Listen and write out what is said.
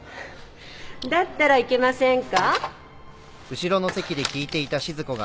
だったらいけませんか？